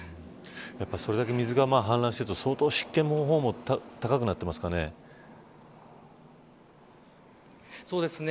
それだけ水が氾濫していると相当湿気の方もそうですね。